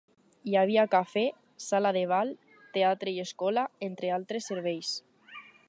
Hi havia cafè, sala de ball, teatre i escola, entre altres serveis.